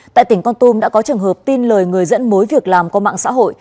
tại tỉnh con tum đã có trường hợp tin lời người dẫn mối việc làm qua mạng xã hội